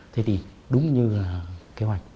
thế thì đúng như là kế hoạch